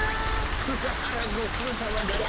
プハ「あらごくろうさま」だって。